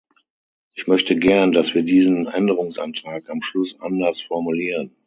Ich möchte gern, dass wir diesen Änderungsantrag am Schluss anders formulieren.